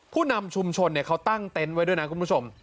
ผู้นำชุมชนเขาตั้งเต็นต์ไว้ด้วยนะคุณผู้ชม